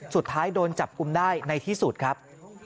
สุดท้ายโดนจับกุมได้ในที่สุดครับ